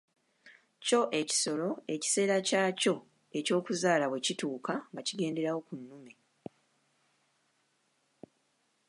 Kyo ekisolo ekiseera kyakyo eky'okuzaala bwe kituuka nga kigenderawo ku nnume.